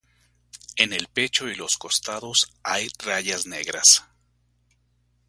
En el pecho y los costados hay rayas negras.